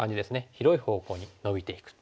広い方向にノビていく。